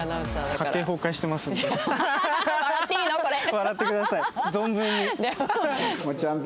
笑ってください存分に。